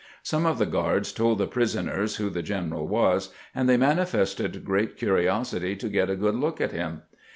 Some of the guards told the prisoners who the general was, and they manifested great curiosity to get a good look at him.